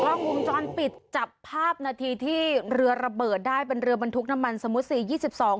กล้องวงจรปิดจับภาพนาทีที่เรือระเบิดได้เป็นเรือบรรทุกน้ำมันสมุทซียี่สิบสอง